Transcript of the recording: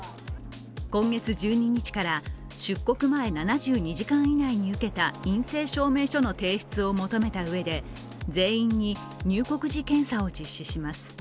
今月１２日から出国前７２時間以内に受けた陰性証明書の提出を求めたうえで全員に入国時検査を実施します。